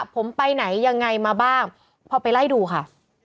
ผมไปไหนยังไงมาบ้างพอไปไล่ดูค่ะ